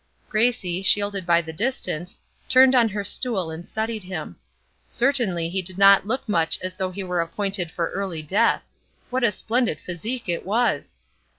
Gracie, shielded by the distance, turned on her stool and studied him. Certainly he did not look much as though he were appointed for early death. What a splendid physique it was!